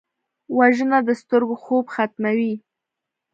وژنه د سترګو خوب ختموي